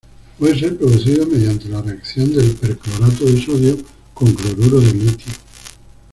Puede ser producido mediante la reacción del perclorato de sodio con cloruro de litio.